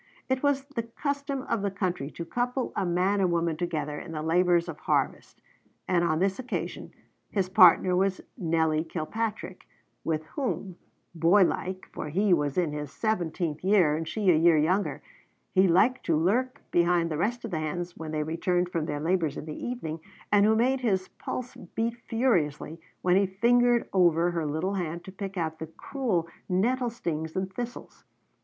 It was the custom of the country to couple a man and woman together in the labors of harvest; and on this occasion his partner was Nelly Kilpatrick, with whom, boy like, for he was in his seventeenth year and she a year younger, he liked to lurk behind the rest of the hands when they returned from their labors in the evening, and who made his pulse beat furiously when he fingered over her little hand to pick out the cruel nettle stings and thistles.